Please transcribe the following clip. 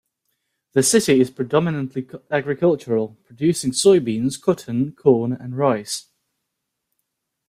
The city is predominantly agricultural, producing soybeans, cotton, corn and rice.